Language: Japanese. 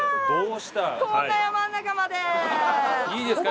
いいですか？